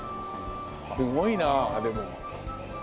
すごいなあでも。